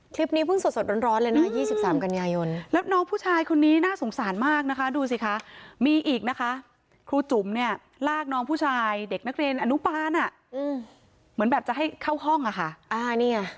คลิปนี้พึ่งสดร้อนเลยนะ